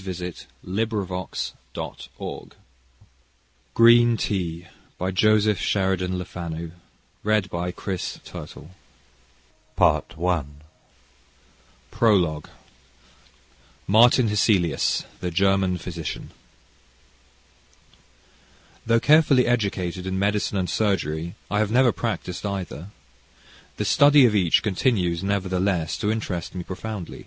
JUSTICE HARBOTTLE 1872 By Joseph Sheridan LeFanu GREEN TEA PROLOGUE Martin Hesselius, the German Physician Though carefully educated in medicine and surgery, I have never practised either. The study of each continues, nevertheless, to interest me profoundly.